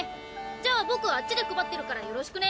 じゃあ僕あっちで配ってるからよろしくね！